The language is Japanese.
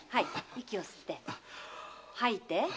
息を吸って吐いて。